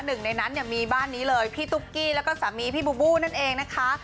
หนึ่งในนั้นเนี่ยมีบ้านนี้เลยพี่ตุ๊กกี้แล้วก็สามีพี่บูบูนั่นเองนะคะ